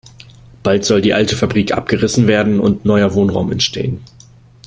Bald soll die alte Fabrik abgerissen werden und neuer Wohnraum entstehen.